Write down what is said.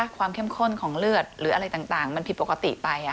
ความเข้มข้นของเลือดหรืออะไรต่างมันผิดปกติไป